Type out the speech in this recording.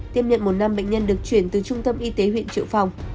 tiêm nhận một năm bệnh nhân được chuyển từ trung tâm y tế huyện triệu phong